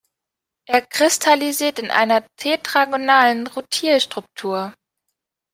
Er kristallisiert in einer tetragonalen Rutil-Struktur.